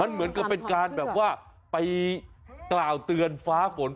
เหมือนกับเป็นการแบบว่าไปกล่าวเตือนฟ้าฝน